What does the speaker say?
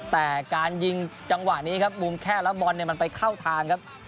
แต่การยิงจังหวะนี้ครับมุมแค่แล้วบอลเนี่ยมันไปเข้าทางครับ